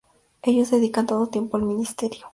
Ellos dedican todo su tiempo al ministerio.